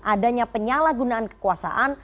adanya penyalahgunaan kekuasaan